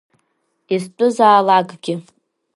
Изтәызаалакгьы…